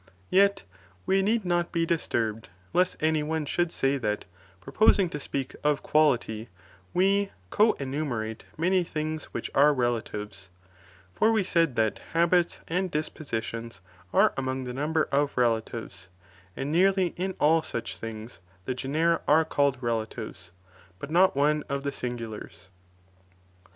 ^ Yet we need not be disturbed lest any one should say that, 10 R 1 to proposing to speak of quality, we co enumerate objection— that many things which are relatives, for we said that position are^' habits and dispositions are among the number of re reckoned latives, and nearly in all such things the genera are ti'vMas wei *a« Called relatives, but not one of the singulars.